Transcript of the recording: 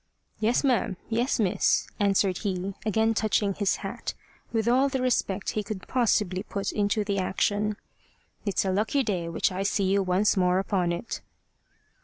"Yes, ma'am; yes, miss," answered he, again touching his hat, with all the respect he could possibly put into the action. "It's a lucky day which I see you once more upon it."